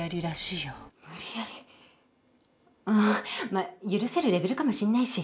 まあ許せるレベルかもしんないし。